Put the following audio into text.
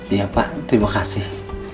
iya pak terima kasih